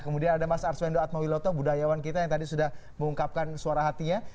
kemudian ada mas arswendo atmawiloto budayawan kita yang tadi sudah mengungkapkan suara hatinya